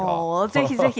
ぜひぜひ。